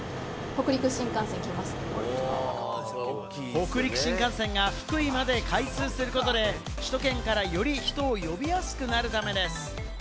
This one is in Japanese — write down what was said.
北陸新幹線が福井まで開通することで、首都圏からより人を呼びやすくなるためです。